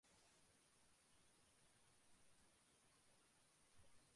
এটি বৃহত্তর সিলেটের প্রথম মুক্তিযুদ্ধ ভাস্কর্য।